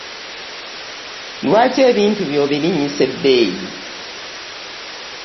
Lwaki ebintu by'obirinyisa ebbeeyi?